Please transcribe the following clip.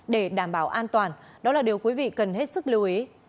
để đảm bảo an toàn đó là điều quý vị cần hết sức lưu ý